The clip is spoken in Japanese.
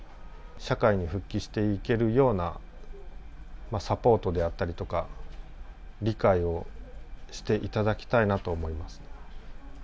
社会に復帰していけるようなサポートであったりとか、理解をしていただきたいなと思います。